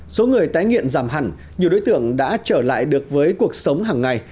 số người tái nghiện giảm hẳn nhiều đối tượng đã trở lại được với cuộc sống hàng ngày